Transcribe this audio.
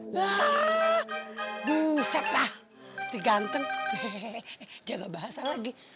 wah buset lah si ganteng hehehe dia gak bahasa lagi